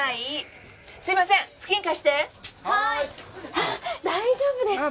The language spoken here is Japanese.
あっ大丈夫ですか？